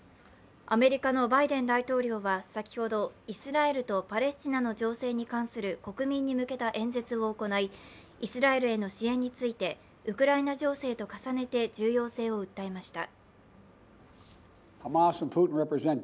アメリカのバイデン大統領は先ほど、イスラエルとパレスチナの情勢に関する国民に向けた演説を行い、イスラエルへの支援についてウクライナ情勢と重ねて重要性を訴えました。